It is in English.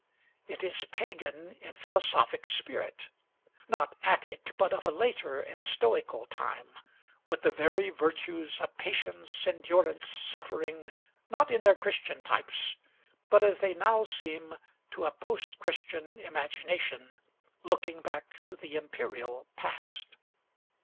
It is pagan in philosophic spirit; not Attic, but of a later and stoical time, with the very virtues of patience, endurance, suffering, not in their Christian types, but as they now seem to a post Christian imagination looking back to the imperial past.